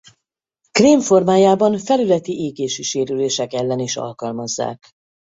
Krém formájában felületi égési sérülések ellen is alkalmazzák.